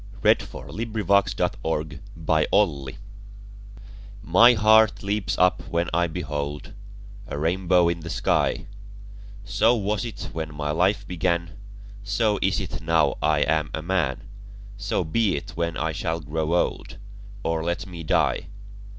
1770–1850 532. The Rainbow MY heart leaps up when I behold A rainbow in the sky: So was it when my life began; So is it now I am a man; So be it when I shall grow old, 5 Or let me die!